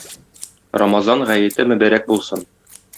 Рамазан гаете мөбарәк булсын!